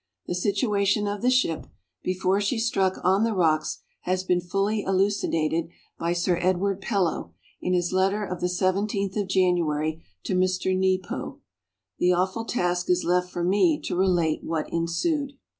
The situation of the ship, before she struck on the rocks, has been fully elucidated by Sir Edward Pellow, in his letter of the 17th of January, to Mr. Nepeau. The awful task is left for me to relate what ensued.